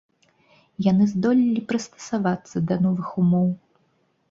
Яны здолелі прыстасавацца да новых умоў.